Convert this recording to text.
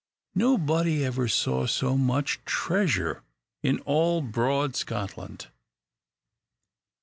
* Nobody ever saw so much treasure in all broad Scotland.